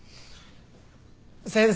先生。